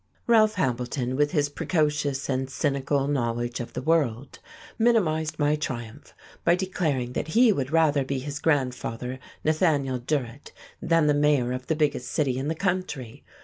Ralph Hambleton, with his precocious and cynical knowledge of the world, minimized my triumph by declaring that he would rather be his grandfather, Nathaniel Durrett, than the mayor of the biggest city in the country.